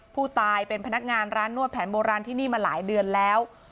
ผู้ตายเป็นพนักงานร้านนวดแผนโบราณที่นี่มาหลายเดือนแล้ว